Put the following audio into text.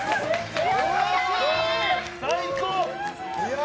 最高。